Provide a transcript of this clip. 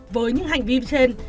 với những hành vi trên